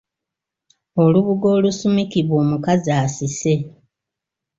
Olubugo olusumikibwa omukazi asise.